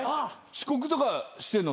遅刻とかしてんの？